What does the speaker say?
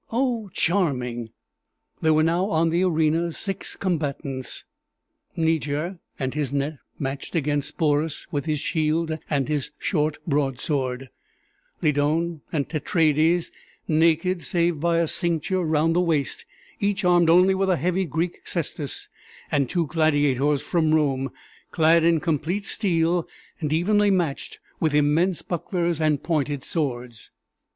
Oh, charming!" There were now on the arena six combatants: Niger and his net, matched against Sporus with his shield and his short broad sword; Lydon and Tetraides, naked save by a cincture round the waist, each armed only with a heavy Greek cestus; and two gladiators from Rome, clad in complete steel, and evenly matched with immense bucklers and pointed swords.